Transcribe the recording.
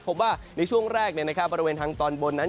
พบว่าในช่วงแรกบริเวณทางตอนบนนั้น